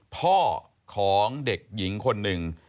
พ่อของเด็กหญิงคนหนึ่ง